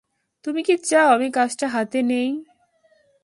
তুমি কি চাও আমি কাজটা হাতে নিই?